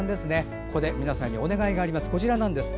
ここで皆さんにお願いがあります。